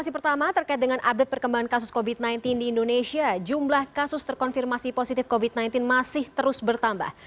pertama terkait dengan update perkembangan kasus covid sembilan belas di indonesia jumlah kasus terkonfirmasi positif covid sembilan belas masih terus bertambah